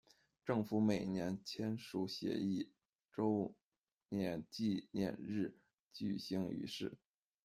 政府每年在签署协议周年纪念日举行仪式。